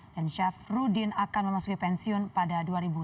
dan syafruddin akan memasuki pensiun pada dua ribu sembilan belas